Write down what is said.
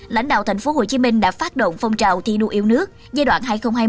lãnh đạo tp hcm đã phát động phong trào thi đua yêu nước giai đoạn hai nghìn hai mươi hai nghìn hai mươi năm